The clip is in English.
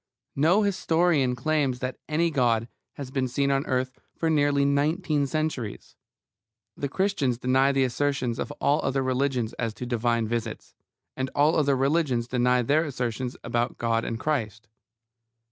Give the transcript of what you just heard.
No historian claims that any God has been seen on earth for nearly nineteen centuries. The Christians deny the assertions of all other religions as to divine visits; and all the other religions deny their assertions about God and Christ.